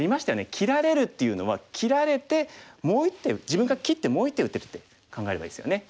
切られるっていうのは切られてもう１手自分が切ってもう１手打てるって考えればいいですよね。